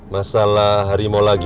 masalah hari mau lagi